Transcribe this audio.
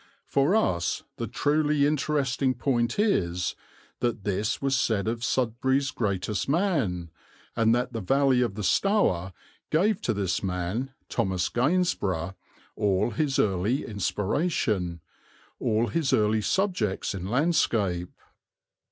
For us the truly interesting point is that this was said of Sudbury's greatest man, and that the valley of the Stour gave to this man, Thomas Gainsborough, all his early inspiration, all his early subjects in landscape.